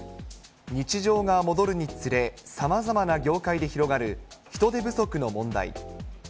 日常が戻るにつれ、さまざまな業界で広がる人手不足の問題。